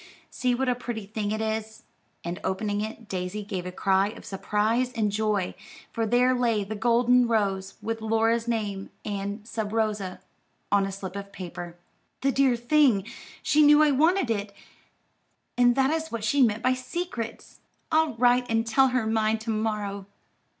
See what a pretty thing it is;" and opening it, Daisy gave a cry of surprise and joy, for there lay the golden rose, with Laura's name and "Sub rosa" on a slip of paper. "The dear thing! she knew I wanted it, and that is what she meant by 'secrets.' I'll write and tell her mine to morrow."